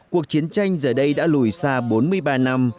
cuộc chiến tranh giờ đây đã lùi xa bốn mươi ba năm